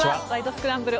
スクランブル」